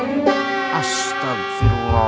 neng ini kan bulan puasa